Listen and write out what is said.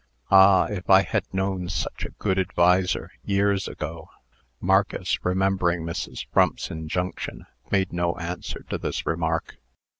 "Ah, if I had known such a good adviser years ago." Marcus, remembering Mrs. Frump's injunction, made no answer to this remark.